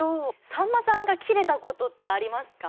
さんまさんがキレたことってありますか？